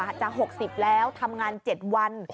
จะ๖๐แล้วทำงาน๗วัน